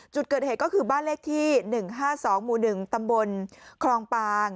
จุดเกิดเหตุก็คือบ้านเลขที่๑๕๒หมู่๑ตำบลคลองปาง